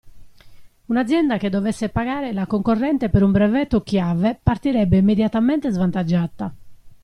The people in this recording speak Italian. Un'azienda che dovesse pagare la concorrente per un brevetto chiave partirebbe immediatamente svantaggiata.